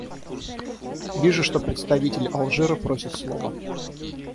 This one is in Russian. Вижу, что представитель Алжира просит слова.